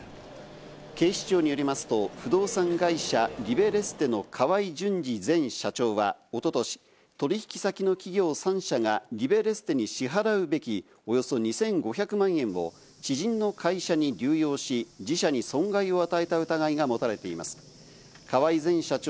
警視庁によりますと、不動産会社・リベレステの河合純二前社長はおととし、取引先の企業３社がリベレステに支払うべき、およそ２５００万円を知人の会社に流用し、自社に損害を与えた疑いが持たれています。